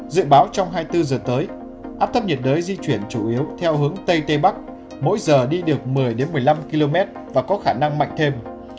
dự báo trong hai mươi bốn giờ tới áp thấp nhiệt đới di chuyển chủ yếu theo hướng tây tây bắc mỗi giờ đi được một mươi một mươi năm km và có khả năng mạnh thêm